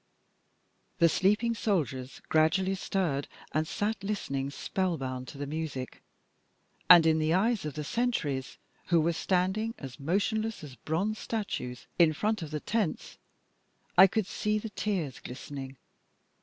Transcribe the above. The sleeping soldiers gradually stirred and sat listening spellbound to the music. And in the eyes of the sentries, who were standing as motionless as bronze statues in front of the tents, I could see the tears glistening.